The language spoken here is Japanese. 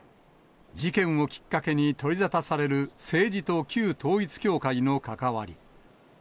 事件をきっかけに取りざたされる政治と旧統一教会の関わり。